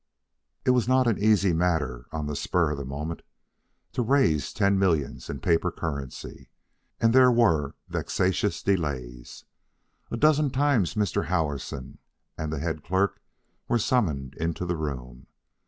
It was not an easy matter, on the spur of the moment, to raise ten millions in paper currency, and there were vexatious delays. A dozen times Mr. Howison and the head clerk were summoned into the room.